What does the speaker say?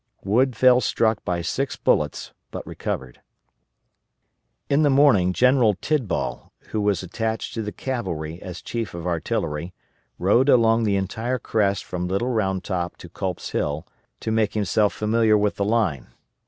Wood fell struck by six bullets, but recovered.] In the morning General Tidball, who was attached to the cavalry as Chief of Artillery, rode along the entire crest from Little Round Top to Culp's Hill to make himself familiar with the line.